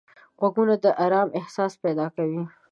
غوږونه د آرام احساس پیدا کوي